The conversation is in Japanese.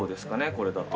これだと。